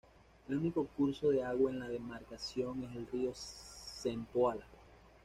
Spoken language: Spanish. El único curso de agua en la demarcación es el río Zempoala.